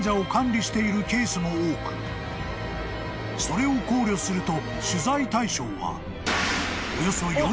［それを考慮すると］